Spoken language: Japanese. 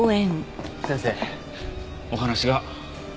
先生お話が。